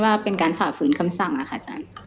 ว่าเป็นการฝ่าฝืนคำสั่งค่ะอาจารย์